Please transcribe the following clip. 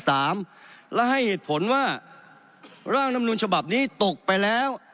และให้เหตุผลว่าร่างลำนุนฉบับนี้ตกไปแล้ว